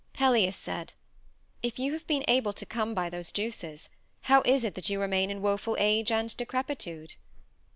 Pelias said: "If you have been able to come by those juices, how is it that you remain in woeful age and decrepitude?"